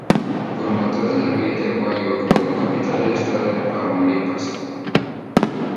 Promotor de la Villa de Aguayo como capital del Estado de Tamaulipas.